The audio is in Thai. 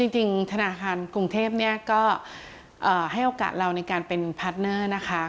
จริงธนาคารกรุงเทพก็ให้โอกาสเราในการเป็นพาร์ทเนอร์นะคะ